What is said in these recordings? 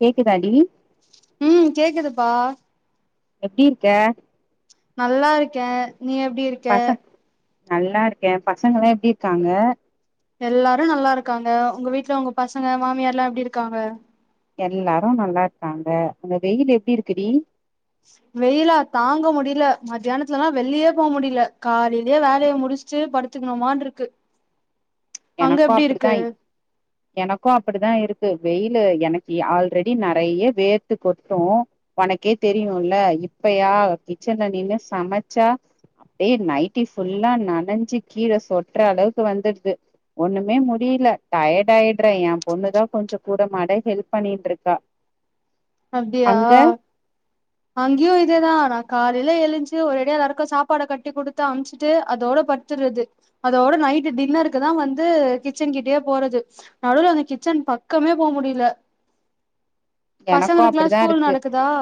கேக்குதாடி ம் கேக்குதுப்பா எப்டி இர்க்க நல்லாருக்கே நீ எப்டி இருக் பச நல்லார்க்கே பசங்கலா எப்டி இர்க்காங்க எல்லாரு நல்லாருக்காங்க உங்க வீட்ல உங்க பசங்க மாமியார்லா எப்டி இருக்காங்க எல்லாரு நல்லார்க்காங்க அங்க வெயில் எப்டி இருக்குடி வெய்யிலா தாங்க முடிய்ல மத்யானத்துலலா வெள்ளியே போ முடில காலிய்யே வேலய முடுஷ்ட்டு படு துக்ணுமான்ருக்கு எனக்கு அப்புடுதா இ எனக்கு அப்புடிதா இருக்கு வெயிலு எனக்கு இ ஆல்ரடி நறைய வேர்த்து கொட்டு ஒனக்கே தெரியுல்ல இப்பயா கிச்சன்ல நின்னு சமச்சா ஏ நைட்டி ஃபுல்லா நனஞ்சு கீழ சொட்ற அளவுக்கு வந்துட்து ஒன்னுமே முடிய்ல டயர்ட் ஆயட்ற ஏ பொண்ணுதா கொஞ்ச கூட மாட ஹெல்பண்ணிட்ருக்கா அப்டியா அங்யு இதேதா நா காலைல எழுஞ்ச்சு ஒரேடியா எல்லாருக்கு சாப்பாட கட்டி குடுத்து அம்ச்சுட்டு அதோட பட் சுத்றுது அதோட நைட்டு டின்னருக்குதா வந்து கிச்சன் கிட்யே போறது நடுவ்ல அந்த கிச்சன் பக்கமே போ முடிய்ல எனக்கு அப்புடிதா ஸ்கூல் இருக்கு நடக்குதா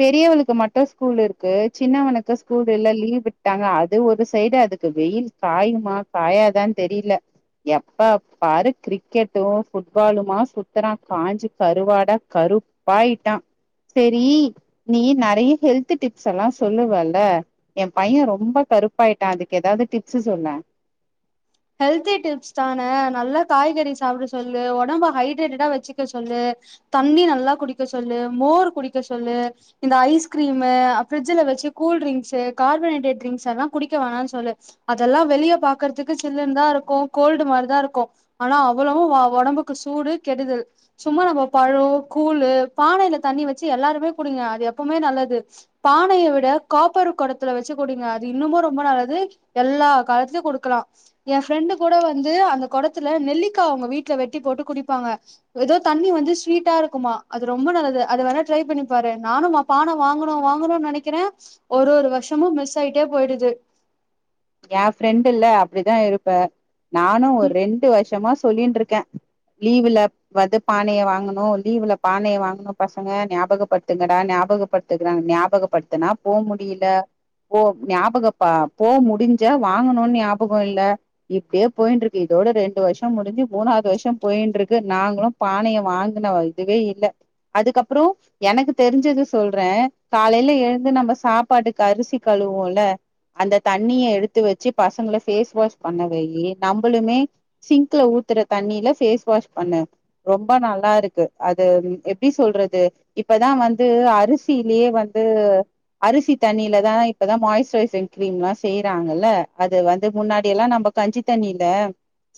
பெரியவளுக்கு மட்டு ஸ்கூல் இருக்கு சின்னவனுக்கு ஸ்கூல் இல்ல லீவ் விட்டாங்க அது ஒரு சைடு அதுக்கு வெயில் காயுமா காயாதான் தெரிய்ல எப்பப்பாரு கிரிக்கெட்டு ஃபுட்பாலுமா சுத்துறா காஞ்சு கருவாடா கருப்பாயிட்டா செரி நீ நறைய ஹெல்த்து டிப்ஸ்எல்லா சொல்லுவல ஏ பைய ரொம்ப கருப்பாயிட்டா அதுக்கு எதாவ்து டிப்ஸு சொல்லே ஹெல்தி டிப்ஸ் தான நல்லா காய்கறி சாப்ட சொல்லு ஒடம்ப ஹைட்ரேட்டடா வச்சுக்க சொல்லு தண்ணி நல்லா குடிக்க சொல்லு மோர் குடிக்க சொல்லு இந்த ஐஸ்க்ரீமு அ ஃப்ரிட்ஜுல வச்சு கூல்ட்ரிங்ஸு கார்பனேட்டட்ரிங்ஸ் எல்லா குடிக்க வேணான் சொல்லு அதல்லா வெளிய பாக்கற்துக்கு தில்லுனுதா இருக்கு கோல்டு மாரிதா இருக்கு ஆனா அவ்வுளவு வா ஒடம்புக்கு சூடு கெடுதல் சும்மா நம்ப பழ கூழு பானைல தண்ணி வச்சி எல்லாருமே குடிங்க அது எப்போமே நல்லது பானையை விட காப்பர் குடத்துல வச்சு கூடிங்க அது இன்னுமே ரொம்ப நல்லது எல்லா காலத்திலயையு கொடுக்கலா ஏ ஃப்ரெண்டு கூட வந்து அந்த குடத்துல நெல்லிக்காய் அவங்க வீட்டுல வெட்டி போட்டு குடிப்பாங்க ஏதோ தண்ணி வந்து ஸ்வீட்டா இருக்குமா அது ரொம்ப நல்லது அது வேணா ட்ரை பண்ணி பாரு நானு பானை வாங்கணு வாங்கணுனு நினைக்கிறே ஒரு ஒரு வருஷமும் மிஸ் ஆயிட்டே போயிடுது ஏ ஃப்ரெண்டு் இல்ல அப்படிதான் இருப்பே நானு ஒரு ரெண்டு வருஷமா சொல்லின்ட்டு இருக்கே லீவுல இவ வந்து பானைய வாங்கணு லீவுல பானையை வாங்கணு பசங்க ஞாபகப்படுத்துங்கடா ஞாபகப்படுத் ஞாபகப்படுத்துனா போக முடியல போ ஞாபகப் போக முடிஞ்ச வாங்கணுனு ஞாபகம் இல்லே இப்டியே போய்ன்டு இருக்கு இதோட ரெண்டு வருஷம் முடிஞ்சு மூணாவது வருஷம் போயின் இருக்கு நாங்களு பானைய வாங்கின இதுவே இல்லே அதுக்கப்பறோ எனக்கு தெரிஞ்சது சொல்றே காலையில எழுந்து நம்ம சாப்பாட்டுக்கு அரிசி கழுவோல அந்த தண்ணிய எடுத்து வச்சு பசங்களை பேஸ் வாஷ் பண்ண வவை நம்மளுமே சிங்க்ல ஊத்துற தண்ணியில பேஸ் வாஷ் பண்ணு ரொம்ப நல்லா இருக்கு அது எப்டி சொல்றது இப்ப தா வந்து அரிசிலேயே வந்து அரிசி தண்ணியில தா இப்பதா மாயஸ்சுரைசிங் கிரீம்ல்லா செய்யறாங்கள் ல்லேஅது வந்து முன்னாடி எல்லா நம்ம கஞ்சி தண்ணிலே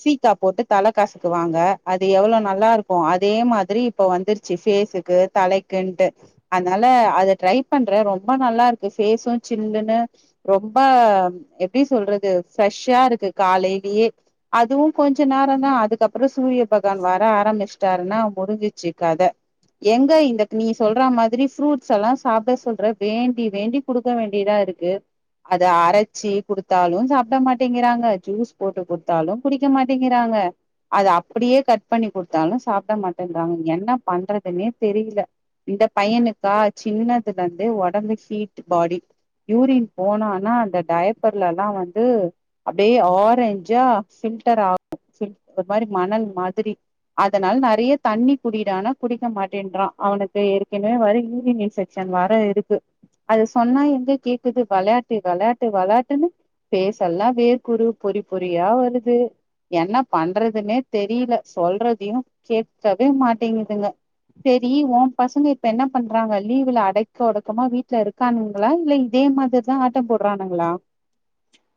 சீக்கா போட்டு தலை காசுக்கு வாங்க அது எவ்வளவு நல்லா இருக்கு அதே மாதிரி இப்ப வந்துருச்சு பேஸுக்கு தலைக்குன்ட்டு அதனால அத ட்ரை பண்றே ரொம்ப நல்லா இருக்கு பேஸும் சில்லுன்னு ரொம்ப எப்டி சொல்றது ஃப்ரெஷ் இருக்கு காலையிலயே அதுவு கொஞ்ச நேர தா அதுக்கப்பறோ சூரிய பகவான் வர ஆரம்பிச்சுட்டாருன்னா முடிச்ஞ்சுச்சுக் காதே எங்க இந்த நீ சொல்ற மாதிரி ஃப்ரூட்ஸ் எல்லா சாப்பிட சொல்றே வேண்டி வேண்டி கொடுக்க வேண்டியதா இருக்கு அத அரைச்சி குடுத்து கொடுத்தாலு சாப்பிட மாட்டேங்கிறாங்க ஜூஸ் போட்டு கொடுத்தாலு குடிக்க மாட்டேங்கிறாங்க அது அப்டியே கட் பண்ணி கொடுத்தாலு சாப்பிட மாட்டேன்றாங்க என்ன பண்றதுன்னே தெரியல இந்த பையனுக்கா சின்னதுல இருந்து உடம்பு ஹீட் பாடி யூரின் போனனா அந்த டயப்பர்ல்லா வந்து அப்டியே ஆரஞ்சா பில்டர் ஆகும் ஒரு மாதிரி மணல் மாதிரி அதனால நெறைய தண்ணி குடிடானா குடிக்க மாட்டேன்றா அவனுக்கு ஏற்கனவே வேற யூரின் இன்பஷ ன் வேற இருக்கு அது சொன்னா எங்கே கேக்குது விளையாட்டு விளையாட்டு விளையாட்டு டுனு ஃபேசெல்லா வேர் குறு பொறி பொறியா வருது என்ன பண்றதுன்னே தெரியல சொல்றதையு கேக்கவே மாட்டேங்குதுங்க சேரி ஓ பசங்க இப்ப என்ன பண்றாங்க லீவுல அடைக்க உடக்கமா வீட்டுல இருக் க்கானுங்களா இல்ல இதே மாறிதான் ஆட்டம் போடுறானுங்களா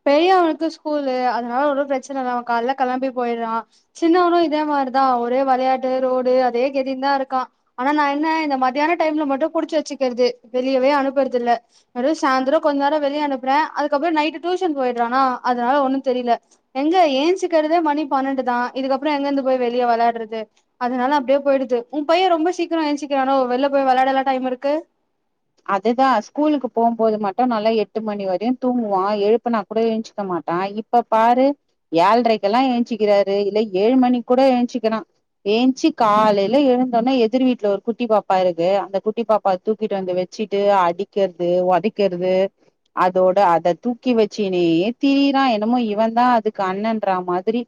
பெரிய அவனுக்கு ஸ்கூலு அதனால ஒன்னு பிரச்சனை இல்ல அவன் காலை ல கிளம்பி போய்டுறான் சின்னவனும் இதே மாறிதான் ஒரே விளையாட்டு ரோடு அதே கெதி தான் இருக்கான் ஆனா நா என்ன இந்த மத்தியான டைம்ல மட்டும் புடிச்சு வச்சுக்கிறது வெளியவே அனுப்புறது இல்ல நடுவே சாயந்தர கொஞ்சோ நேரம் வெளிய அனுப்புறேன் அதுக்கப்பறோ நைட்டு் டியூஷன் போயிடுறானா அதனால ஒண்ணு தெரியல எங்க ஏன்ச்சுக்கிறதே மணி பன்னெண்டு தான் இதுக்கப்பறோ எங்கிருந்து போய் வெளியே விளையாடுறது அதனால அப்டியே போயிடுது உன் பையன் ரொம்ப சீக்கிரம் ஏன்ச்சிகிறானே வெளில போய் விளையாடலாம் டைம் இருக்கு அதுதான் ஸ்கூலுக்கு போகும்போது மட்டும் நல்லா எட்டு மணி வரையும் தூங்குவான் எழுப்புனா கூட எழுஞ்சுக்க மாட்டான் இப்ப பாரு ஏழ்ரைக்கெல்லா ஏழுச்சுக்கிறாரு இல்ல ஏழு மணி கூட எழுச்சுக்கிறான் ஏன்ச்சி காலையில எழுந்தோனே எதிர் வீட்ல ஒரு குட்டி பாப்பா இருக்கு அந்த குட்டி பாப்பா தூக்கிட்டு வந்து வச் சிட்டு அடிக்கிறது ஒதக்கிறது அதோட அத தூக்கி வச்சினே திரிறான் என்னமோ இவன் தான் அதுக்கு அண்ணன்றா மாதிரி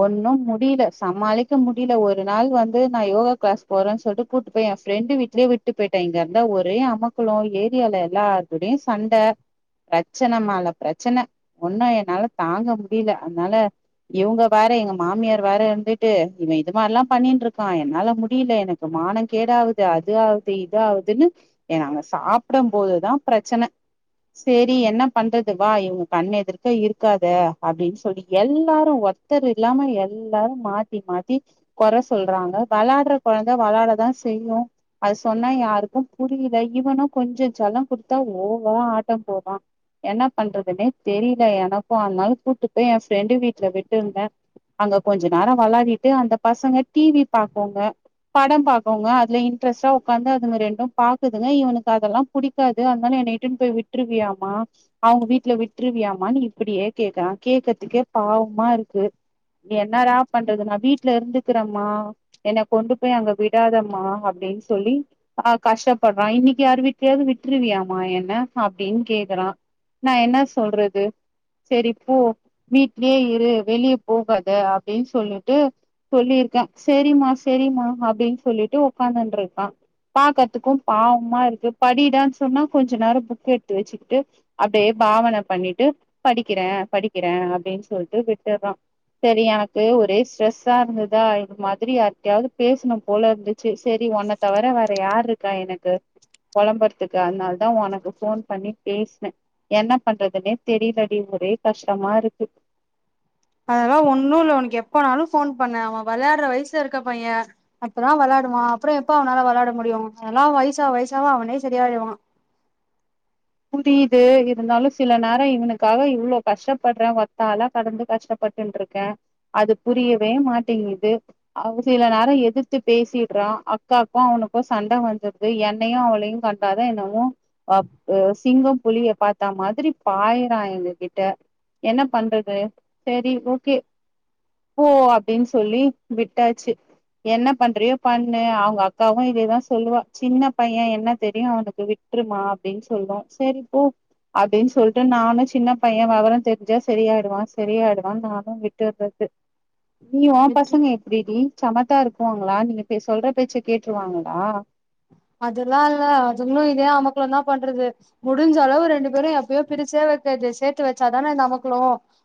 ஒன்னும் முடியில சமாளிக்க முடியில ஒரு நாள் வந்து நா யோகா கிளாஸ் போறன் சொல்ட்டு கூட்டு போயி என் ஃப்ரெண்டு வீட்லே விட்டு போயிட்டன் இங்க இருந்தா ஒரே அ மக்களும் ஏரியால எல்லார் கூடயும் சண்ட பிரச்சன மேல பிரச்சன ஒன்னும் என்னால தாங்க முடியில அதனால இவங்க வேற எங்க மாமியார் வேற இருந்துட்டு இவன் இது மாரிலா பண்ணின்டுருக்கான் என்னால முடியில எனக் கு மானகேடு ஆவுது அது ஆவுது இது ஆவுதுன்னு ஏ நாங்க சாப்ட போதுதான் பிரச்சன சேரி என்ன பண்றது வா இவுங்க கண் எதிர்க இருக்காத அப்டின் சொல்லி எல்லாரும் ஒரு த்தர் இல்லாம எல்லாரும் மாத்தி மாத்தி கொற சொல்றாங்க வெளாடற கொழந்த வளாடதா செய்யும் அது சொன்னா யாருக்கும் புரிய தா இவனு கொஞ்ச செல்லம் குடுத்தா ஓவரா ஆட்ட போடறா என்ன பண்றதுன்னே தெரியில எனக்குங அதனால கூட்டு போயி என் ஃப்ரெண்டு வீட்ல விட்டுருந்த அங்க கொஞ்ச நேர வெளாடிட்டு அந்த பசங்க டிவி பாக்குங்க படம் பாக்குங்க அதுல இன்ட்ரெஸ்ட்டா உக்காந்து அதுங்க ரெண்டும் பாக் குதுங்க இவனுக்கு அதெல்லா புடிக்காது அதனால என்னைய இட்டுன் போயி விட்டுருவியாமா அவுங்க வீட்ல விட்டுருவியாமான்னு இப்டியே கேக்கறா கேக்கறதுக்கே பாவமா இருக்கு என்னடா பண்றது நா வீட்ல இருந்துக்கிறம்மா என்ன கொண்டு போயி அங்க விடாதம்மா அப்டின் சொல்லி ஆ கஷ்டப் படறா இன்னிக்கி யாரு வீட்லயாவது விட்டுருவியாமா என்ன அப்டின்னு கேக்கறா நா என்ன சொல்றது சரி போ வீட்லே இரு வெளிய போகாத அப்டின் சொல்லிட்டு சொல்லியிருக்கன் செரிம்மா செரிம்மா அப்டின் சொல்லிட்டு உக்காந்துன்ருக்கா பாக்கறத்துக்கும் பாவமா இருக்கு படிடான் சொன்னா கொஞ்ச நேர புக் எடுத்து வச்சிக்கிட்டு அப்டே பாவன பண்ணிட்டு படிக்கிறன் படிக்கிறன் அப்டின் சொல்ட்டு விட்டுறா சரி எனக்கு ஒரே ஸ்ட்ரெஸ்ஸா இருந்ததா இந்த மாதிரி யார்ட்டயாவது பேசனும் போல இருந்துச்சி செரி ஒன்ன தவர வேற யார் இருக்கா எனக் கு பொளம்புறதுக்கு அதனால தா ஒனக்கு ஃபோன் பண்ணி பேசன என்ன பண்றதுன்னே தெரிலடி ஒரே கஷ்டமா இருக்கு அதெல்லா ஒன்னும் இல்ல ஒனக்கு எப்பனாலு ஃபோன் பண்ணு அவன் வெளயாடற வயசுல இருக்க பையன் அப்பதா வெளாடுவா அப்றோம் எப்ப அவனால வெளாட முடியும் அதல்லா வயசாவ வயசாவ அவனே செரியாயிடுவா புரியிது இருந்தாலு சில நேர இவனுக்காக இவ்ளோ கஷ்டப்படற ஒத்தாலா கடந்து கஷ்டப் பட்டுன்ருக்கே அது புரியவே மாட்டேங்கிது அவ சில நேர எதிர்த்து பேசிடுறா அக்காக்கு அவனுக்கும் சண்ட வந்துரு து என்னையு அவளையு கண்டாதா என்னமோ அப் உ சிங்கம் புலிய பாத்த மாதிரி பாயறா எங்க கிட்ட என்ன பண்றது செரி ஓகே போ அப்டின் சொல்லி விட்டாச்சி என்ன பண்றியோ பண்ணு அவுங்க அக்காவு இதேதா சொல்லுவா சின்ன பையன் என்ன தெரியு அவனுக்கு வி ட்ருமா அப்டின் சொல்லும் செரி போ அப்டின் சொல்ட்டு நானு சின்ன பையன் வெவரம் தெரிஞ்சா சரியாயிடுவா சரியாயிடுவா நானு விட்டறது நீ ஓ விட்ரு பசங்க எப் டிடி சமத்தா இருக்குவாங்களா நீங்க பே சொல்ற பேச்ச கேட்ருவாங்களா அதுலா இல்ல அதுங்லு இதே அமர்க்களோ தா பண்றது முடிஞ்சளவு ரெண்டு பேரு எப்பயு பிரிச்சே வைக்கது சேத்து வச்சாதானே இந்த அமக்களோ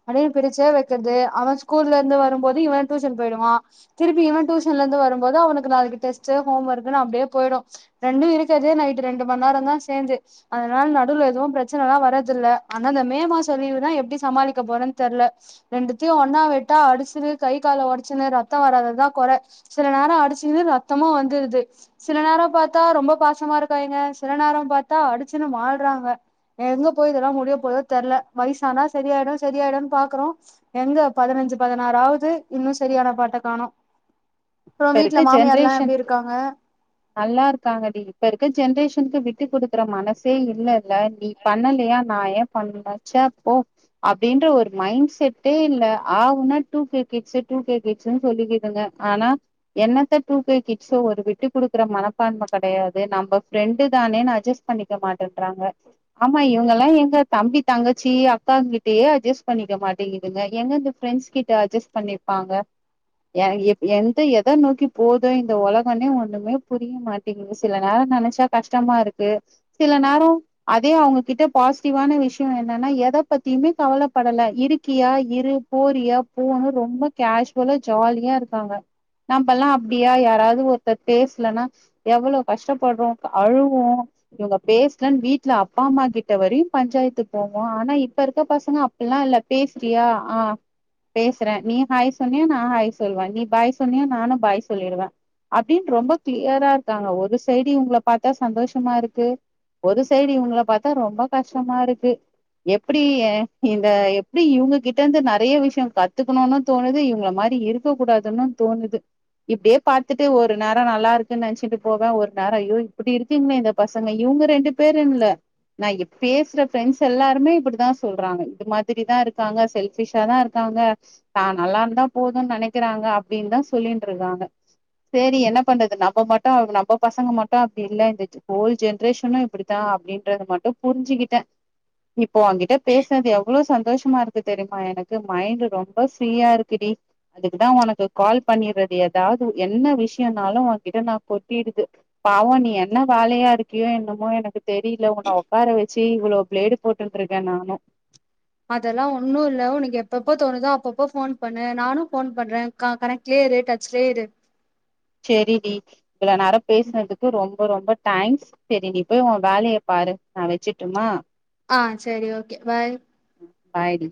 அப்டின் பிரிச்சே வக்கற்து அவ ஸ்கூல்ல இருந்து வரும்போது இவ டியூஷன் போயிடுவா திருப்பி இவ டியூன்லந்து வரும்போது அவனுக்கு நாளைக்கி டெ்ஸ்ட்டு ஹோம் ஒர்க்குனு அப்டியே போயிடு ரெண்டு இருக்கர்தே நைட் ரெண்டு மண் நேரோந்தா சேந்து அதுனால நடுவுல எதுவு பிரச்சனல்லா வரதில்ல ஆனா இந்த மே மாசோ லீவுதா எப்டி சமாளிக்க போறேன் தெர்ல ரெண்டுத்தையு ஒன்னா விட்டா அடிச்சிரு கை கால ஒடச்சினு ரத்தோ வராததுதா கொற சில நேரோ அடிச்சினு ரத்தமு வந்துருது சில நேரோ பாத்தா ரொம்ப பாசமா இருக்காய்ங்க சில நேரோ பாத்தா அடிச்சினு மாழ்றாங்க எங்க போய் இதல்லா முடிய போதோ தெர்ல வயசானா சரியாயிடு சரியாயிடுன் பாக்குறோ எங்க பதினஞ்சு பதினாறாவுது இன்னு சரியான பாட்ட காணோ அப்றோ இப்ப வீட்ல இருக்க மாமியார்லா ஜென்ரேஷன் எப்டி இருக்காங்க நல்லா இருக்காங்கடி இப்ப இருக்க ஜென்ரேஷன்க்கு விட்டு குடுக்குற மனசே இல்லைல்ல நீ பண்ணலையா நா ஏ பண்ண சே போ அப்டின்ற ஒரு மைண்ட் செட்டே இல்ல ஆவூனா two K kids two K கிட்ஸுன் சொல்லிக்கீதுங்க ஆனா என்னத்த டூ கே கிட்ஸோ ஒரு விட்டு குடுக் குற மனப்பான்ம கெடையாது நம்ப ஃப்ரெண்டு தானேன் அர்ஜஸ் பண்ணிக்க மாட்டன்றாங்க ஆமா இவங்கல்லா எங்க தம்பி தங்கச்சி அக்கா கிட்டயே அட்ஜஸ் பண்ணிக்க மாட்டேங்குதுங்க எங்கந்து ஃப்ரெண்ட்ஸ் கிட்ட அட்ஜஸ் பண்ணிப்பாங்க ஏ எப் எந்த எத நோக்கி போகுதோ இந்த ஒலோகன்னே ஒண்ணுமே புரிய மாட்டீங்குது சில நேரோ நெனச்சா கஷ்டமா இருக்கு சில நேரோ அதே அவங்ககிட்ட பாஸிட்டிவான விஷயோ என்னனா எத பத்தியுமே கவலப்படல இருக்கியா இரு போறியா போனு ரொம்ப கேஷ்வலா ஜாலியா இருக்காங்க நம்பல்லா அப்டியா யாராவது ஒருத்தர் பேசி க்லனா எவ்வளோ கஷ்டப்பட்றோ அழுவோ இவங்க பேசலன் வீட்ல அப்பா அம்மா கிட்ட வரையு பஞ்சாயத்துக் போவோ ஆனா இப்ப இருக்க பசங்க அப் பில்லா இல்ல பேசுறியா ஆ பேசுற நீ ஹாய் சொன்னியா நா ஹாய் சொல்வ நீ பாய் சொன்னியா நானு பாய் சொல்லிடுவ அப்டின் ரொம்ப கிளியரா இருக்காங்க ஒரு சைடு இவுங்கள பாத்தா சந்தோஷமா இருக்கு ஒரு சைடு இவுங்கள பாத்தா ரொம்ப கஷ்டமா இருக்கு எப்டி எ இந்த எப்டி இவங்ககிட்டருந்து நெறைய விஷயோ கத்துக்கணூனு தோணுது இவங்கள மாரி இருக் க கூடாதுன்னு தோணுது இப்டியே பாத்துட்டு ஒரு நேரோ நல்லாருக் குன் நெனச்சிட்டு போவே ஒரு நேரோ ஐயோ இப்டி இருக்குங்ளே இந்த பசங்க இவங்க ரெண்டு பேருன் இல்ல நா எப் பேசுற ஃப்ரெண்ட்ஸ் எல்லாருமே இப்பிடிதா சொல்றாங்க இது மாதிரிதா இருக்காங்க செல் பிஷாதா இருக்காங்க தா நல்லாருந்தா போதுன் நெனைக்குறாங்க அப்டின் தா சொல்லின்ருக்காங்க சேரி என்ன பண்றது நம் நம்ப மட்டு நம்ப பசங்க மட்டு அப்டி இல்ல இந்த ஹோல் ஜென்ரேஷனு இப்டிதா அப்டின்றது மட்டு புரிஞ்சிகிட்ட இப்போ ஓங்கிட்ட பேசுனது எவ்வளோ சந்தோஷமா இருக்கு தெரியுமா எனக்கு மைண்ட்டு ரொம்ப ஃப்ரீயா இருக்கு டி அதுக்குதா ஒனக்கு கால் பண்ணிறது எதாவது என்ன விஷயோனாலு ஓ ங்கிட்ட நா கொட்டிடுது பாவோ நீ என்ன வேலையா இருக்கியோ என்னமோ எனக்கு தெரியில ஒன்ன ஒக்கார வச்சி இவ்வளோ பிளேடு போட்டுன்ருக்க நானு அதல்லா ஒன்னு இல்ல உனக்கு எப்பப்போ தோணுதோ அப்பப்போ போன் பண்ணு நானு போன் பண்ற க கனெக்ட்லயே இரு டச்லயே இரு செரிடி இவ்வளோ நேரோ பேசுனதுக்கு ரொம் ரொம்ப ரொம்ப டேங்க்ஸ் செரி நீ போய் ஒ வேலய பாரு நா வச்சுட்டுமா அ செரி ஓகே பாய் பாய் டி